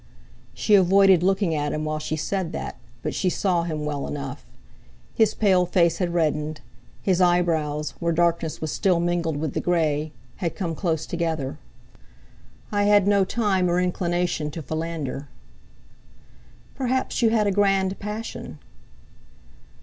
She avoided looking at him while she said that, but she saw him well enough. His pale face had reddened, his eyebrows, where darkness was still mingled with the grey, had come close together. "I had no time or inclination to philander." "Perhaps you had a grand passion."